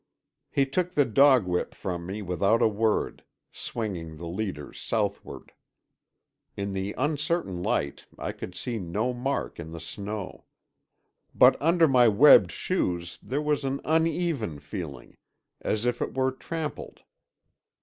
He took the dog whip from me without a word, swinging the leaders southward. In the uncertain light I could see no mark in the snow. But under my webbed shoes there was an uneven feeling, as if it were trampled.